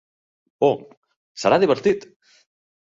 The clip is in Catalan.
Oh, serà divertit!